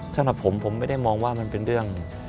สำหรับผมผมไม่ได้มองว่ามันเป็นเรื่อง